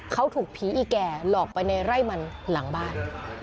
เขาถูกผีอีแก่หลอกไปในไร่มันหลังบ้าน